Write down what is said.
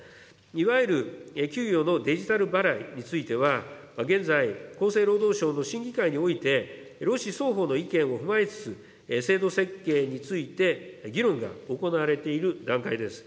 いわゆる給与のデジタル払いについては、現在、厚生労働省の審議会において、労使双方の意見を踏まえつつ、制度設計について議論が行われている段階です。